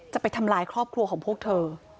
จะไปทำลายครอบครัวของพวกเธอ